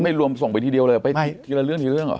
รวมส่งไปทีเดียวเลยไปทีละเรื่องทีเรื่องเหรอ